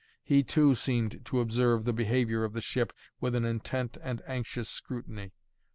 He, too, seemed to observe the behaviour of the ship with an intent and anxious scrutiny.